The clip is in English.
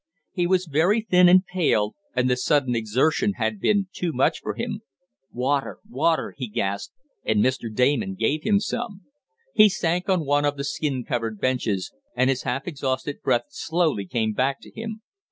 He was very thin and pale, and the sudden exertion had been too much for him. "Water water!" he gasped, and Mr. Damon gave him some. He sank on one of the skin covered benches, and his half exhausted breath slowly came back to him.